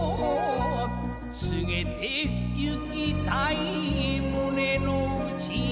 「つげて行きたい胸のうち」